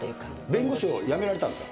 弁護士を辞められたんですか？